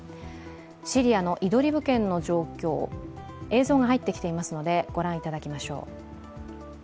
シリアのイドリブ県の状況、映像が入ってきていますのでご覧いただきましょう。